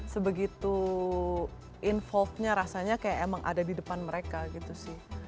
sebegitu involve nya rasanya kayak emang ada di depan mereka gitu sih